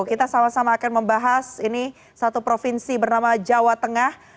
kita sama sama akan membahas ini satu provinsi bernama jawa tengah